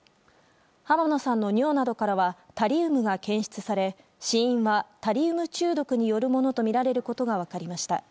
浜野さんの尿などからはタリウムが検出され死因はタリウム中毒によるものとみられることが分かりました。